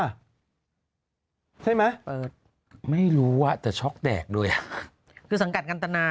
มั้ยมั้ยไม่รู้ว่าแต่ช็อคแตกด้วยคือสังกัดกันตนา